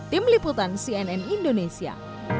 tim liputan cnn indonesia